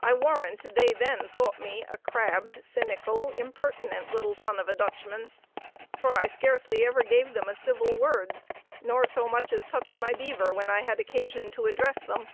I warrant they then thought me a crabbed, cynical, impertinent little son of a Dutchman; for I scarcely ever gave them a civil word, nor so much as touched my beaver, when I had occasion to address them.